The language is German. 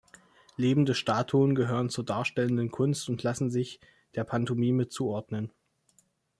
Lebende Statuen gehören zur darstellenden Kunst und lassen sich der Pantomime zuordnen.